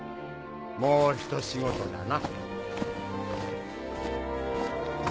もうひと仕事だな。